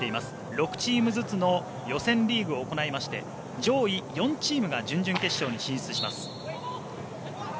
６チームずつの予選リーグを行いまして上位４チームが準々決勝に進出します。